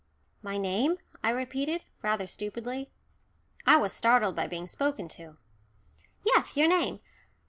"My name," I repeated, rather stupidly. I was startled by being spoken to. "Yes, your name.